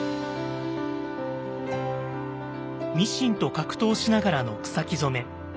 ミシンと格闘しながらの草木染め。